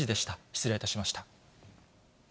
失礼いたしました。